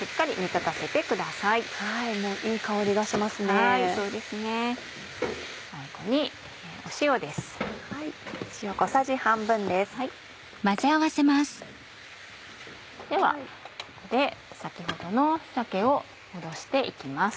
ではここで先ほどの鮭を戻して行きます。